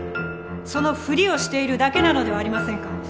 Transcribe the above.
そのフリをしているだけなのではありませんか？